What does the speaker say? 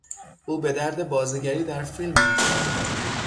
او به درد بازیگری در فیلم میخورد.